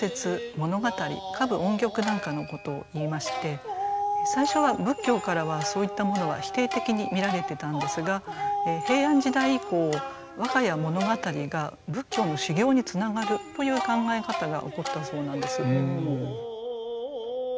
物語歌舞音曲なんかのことをいいまして最初は仏教からはそういったものは否定的に見られてたんですが平安時代以降和歌や物語が仏教の修行につながるという考え方が起こったそうなんです。